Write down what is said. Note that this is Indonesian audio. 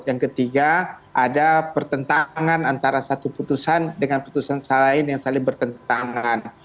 yang ketiga ada pertentangan antara satu putusan dengan putusan selain yang saling bertentangan